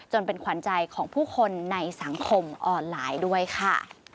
เป็นขวัญใจของผู้คนในสังคมออนไลน์ด้วยค่ะ